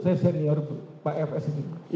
saya senior pak fs ini